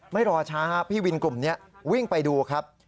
รอช้าครับพี่วินกลุ่มนี้วิ่งไปดูครับ